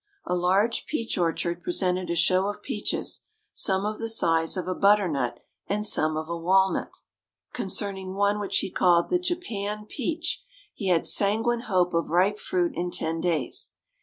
A large peach orchard presented a show of peaches, some of the size of a butternut, and some of a walnut. Concerning one which he called the Japan peach, he had sanguine hope of ripe fruit in ten days.